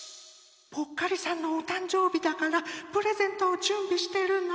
ぽっかりさんのおたんじょうびだからプレゼントをじゅんびしてるの。